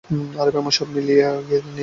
আরে, ভাই আমার মিলিয়ে নিয়েছে।